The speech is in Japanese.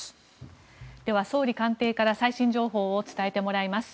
では総理官邸から最新情報を伝えてもらいます。